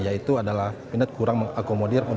yaitu adalah pindad kurang akomodasi